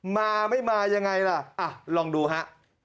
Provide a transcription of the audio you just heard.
มาไม่มายังไงล่ะลองดูฮะ